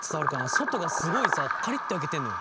外がすごいさカリッて焼けてんのよ。